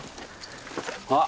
あっ！